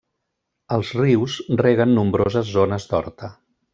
Els rius reguen nombroses zones d'horta.